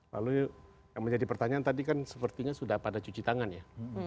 lalu yang menjadi pertanyaan tadi kan sepertinya sudah pada cuci tangan ya